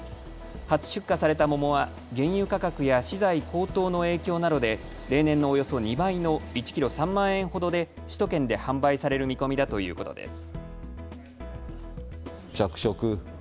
初出荷された桃は原油価格や資材高騰の影響などで例年のおよそ２倍の１キロ３万円ほどで首都圏で販売される見込みだということです。